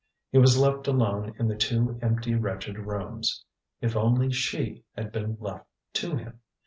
He was left alone in the two empty, wretched rooms! If only she had been left to him!